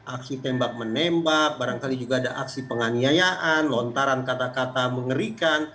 aksi tembak menembak barangkali juga ada aksi penganiayaan lontaran kata kata mengerikan